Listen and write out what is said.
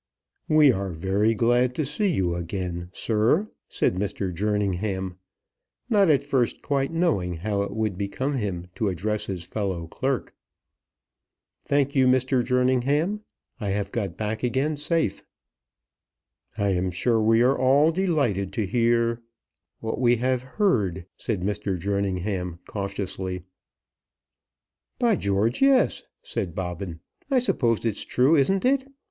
"We are very glad to see you again, sir," said Mr. Jerningham; not at first quite knowing how it would become him to address his fellow clerk. "Thank you, Mr. Jerningham. I have got back again safe." "I am sure we are all delighted to hear what we have heard," said Mr. Jerningham cautiously. "By George, yes," said Bobbin. "I suppose it's true; isn't it?